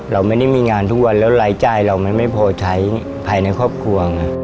เราไม่ได้มีงานทุกวันแล้วรายจ่ายเรามันไม่พอใช้ภายในครอบครัวไง